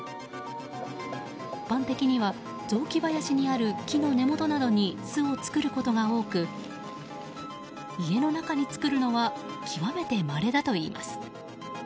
一般的には雑木林にある木の根元などに巣を作ることが多く家の中に作るのは極めてまれだといいます。